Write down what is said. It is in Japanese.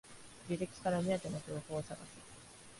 履歴から目当ての情報を探す